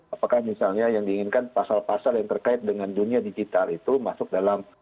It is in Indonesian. apakah misalnya yang diinginkan pasal pasal yang terkait dengan dunia digital itu masuk dalam